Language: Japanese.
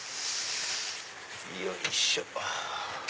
よいしょ。